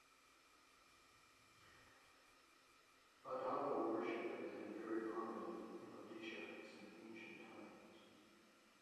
Madhava worship has been very prominent in Odisha since ancient times.